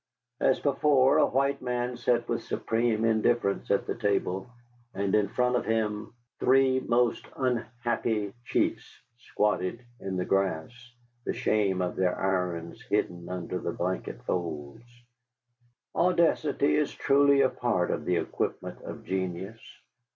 As before, a white man sat with supreme indifference at a table, and in front of him three most unhappy chiefs squatted in the grass, the shame of their irons hidden under the blanket folds. Audacity is truly a part of the equipment of genius.